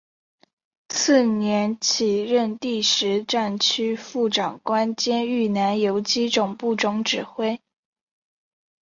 次年起任第十战区副长官兼豫南游击总部总指挥。